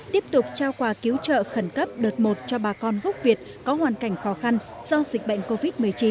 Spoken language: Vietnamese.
tiếp tục trao quà cứu trợ khẩn cấp đợt một cho bà con gốc việt có hoàn cảnh khó khăn do dịch bệnh covid một mươi chín